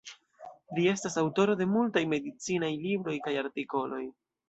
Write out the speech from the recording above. Li estas aŭtoro de multaj medicinaj libroj kaj artikoloj.